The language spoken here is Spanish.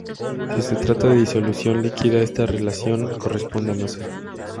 Si se trata de disolución líquida esta relación corresponde a masa.